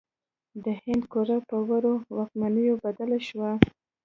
د هند قاره په وړو واکمنیو بدله شوه.